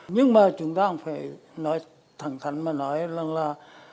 nhưng mà chúng ta cũng phải nói thẳng thẳng mà nói là